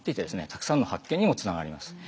たくさんの発見にもつながります。